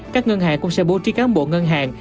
các ngân hàng cũng sẽ bố trí cán bộ ngân hàng